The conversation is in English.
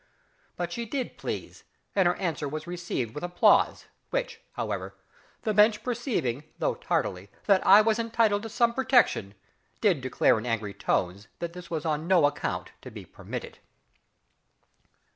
But she did please, and her answer was received with applause, which, however, the Bench perceiving, though tardily, that I was entitled to some protection, did declare in angry tones that it was on no account to be permitted.